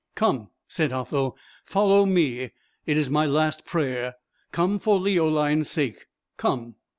"Come," said Otho, "follow me; it is my last prayer. Come, for Leoline's sake, come."